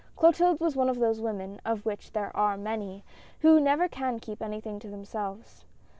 Clotilde was one of those women, of which there are many, who never can keep anything to them selves.